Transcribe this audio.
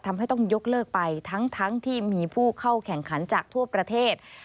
ทำให้ต้องยกเลิกไปทั้งที่มีผู้เข้าแข่งขันจากทั่วประเทศ